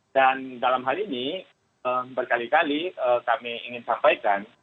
dan dalam hal ini berkali kali kami ingin sampaikan